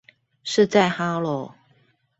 是在哈囉？